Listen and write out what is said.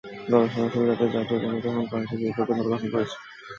গবেষণার সুবিধার্থে জাতীয় কমিটি এখন কয়েকটি বিশেষজ্ঞ দল গঠন করেছে।